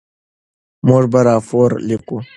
موږ به راپور لیکو.